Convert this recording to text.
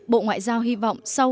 bộ ngoại giao hy vọng sau